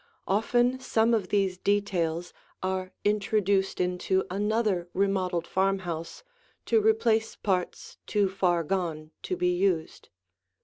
Often some of these details are introduced into another remodeled farmhouse to replace parts too far gone to be used.